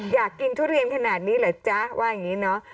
อยากกินทุเรียนขนาดนี้เหรอจ๊ะว่าอย่างนี้เนาะ